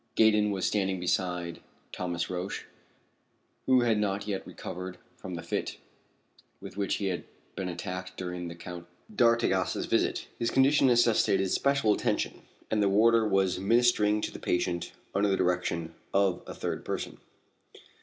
Gaydon was standing beside Thomas Roch, who had not yet recovered from the fit with which he had been attacked during the Count d'Artigas' visit. His condition necessitated special attention, and the warder was ministering to the patient under the direction of a third person.